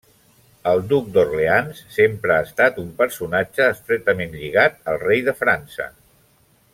El duc d'Orleans sempre ha estat un personatge estretament lligat al rei de França.